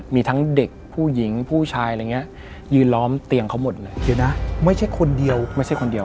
เมตตามหานิยม